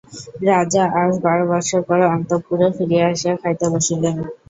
রাজা আজ বারো বৎসর পরে অন্তঃপুরে ফিরিয়া আসিয়া খাইতে বসিলেন।